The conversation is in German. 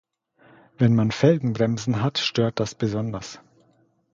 Wenn man Felgenbremsen hat, stört das besonders.